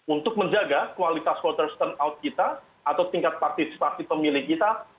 untuk menjaga kualitas voters turnout kita atau tingkat partisipasi pemilik kita